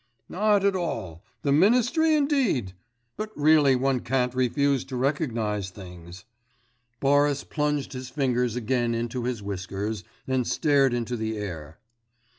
'Not at all ... the ministry indeed! But really one can't refuse to recognise things.' Boris plunged his fingers again into his whiskers, and stared into the air.